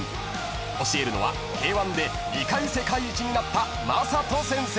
［教えるのはＫ−１で２回世界一になった魔裟斗先生］